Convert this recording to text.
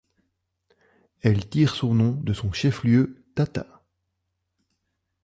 Elle tire son nom de son chef-lieu, Tata.